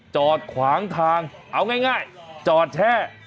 จอดขวางทางเอาง่ายจอดแช่